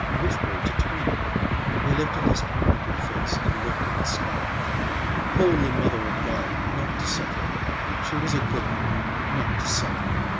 Which way to turn? He lifted his tormented face and looked at the sky. "Holy Mother of God, not to suffer! She was a good girl—not to suffer!"